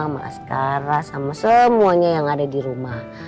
sama askara sama semuanya yang ada di rumah